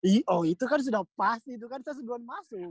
iya oh itu kan sudah pasti itu kan saya duluan masuk